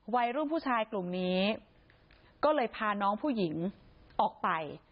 วัยรุ่นผู้ชายกลุ่มนี้ก็เลยพาน้องผู้หญิงออกไป